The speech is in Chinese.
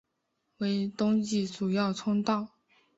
为东西主要通道。